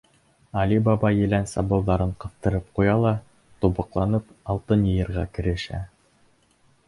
Али Баба елән сабыуҙарын ҡыҫтырып ҡуя ла, тубыҡланып, алтын йыйырға керешә.